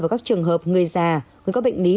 vào các trường hợp người già người có bệnh lý